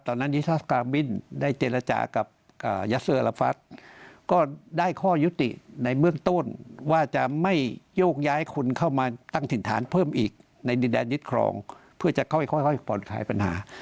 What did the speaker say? นิทัศกาลบินได้เจรจากับยัสเซอร์ลาฟัสก็ได้ข้อยุติในเบื้องต้นว่าจะไม่โยกย้ายคนเข้ามาตั้งถิ่นฐานเพิ่มอีกในดินแดนยึดครองเพื่อจะค่อยผ่อนคลายปัญหา